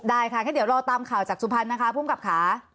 ได้ค่ะเดี๋ยวรอตามข่าวจากสุพรรณนะคะผู้กลับขา